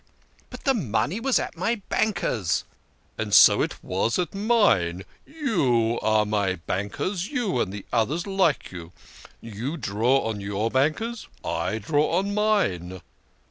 " But the money was at my bankers'." " And so it was at mine. You are my bankers, you and others like you. You draw on your bankers I draw on mine."